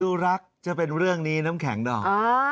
ดูรักจะเป็นเรื่องนี้น้ำแข็งดอก